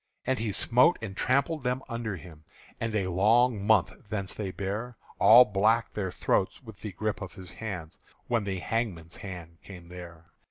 And he smote and trampled them under him; And a long month thence they bare All black their throats with the grip of his hands When the hangman's hand came there.